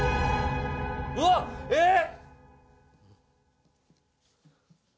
うわっ！えっ！？